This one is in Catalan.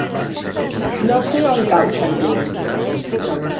No sé on cau Sant Lluís.